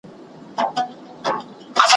او ماته یې هم په دې مراسمو کي .